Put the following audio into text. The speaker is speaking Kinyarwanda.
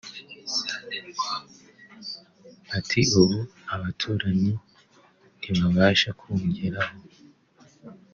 Ati “ Ubu abaturanyi ntibabasha kungeraho